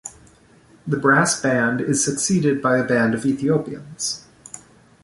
The brass band is succeeded by a band of Ethiopians.